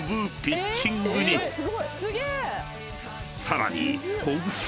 ［さらに］